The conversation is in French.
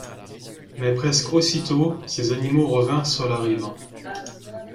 Mais, presque aussitôt, ces animaux revinrent sur la rive.